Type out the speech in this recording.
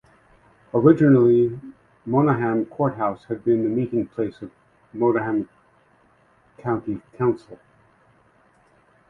Originally Monaghan Courthouse had been the meeting place of Monaghan County Council.